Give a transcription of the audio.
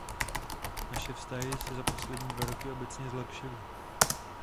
Naše vztahy se za poslední dva roky obecně zlepšily.